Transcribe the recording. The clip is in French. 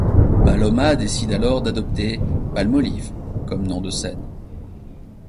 Paloma décide alors d'adopter Palmolive comme nom de scène.